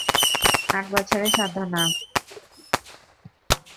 আট বছরের সাধনা।